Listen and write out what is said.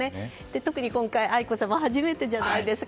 特に今回、愛子さまが初めてじゃないですか。